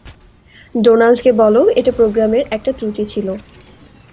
ডোনাল্ডকে বলো, এটা প্রোগ্রামের একটা ত্রুটি ছিল।